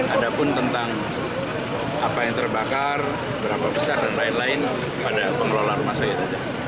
ada pun tentang apa yang terbakar berapa besar dan lain lain pada pengelola rumah sakit